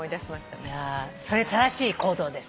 それ正しい行動です。